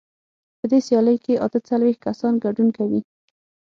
په دې سیالۍ کې اته څلوېښت کسان ګډون کوي.